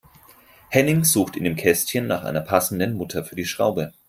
Henning sucht in dem Kästchen nach einer passenden Mutter für die Schraube.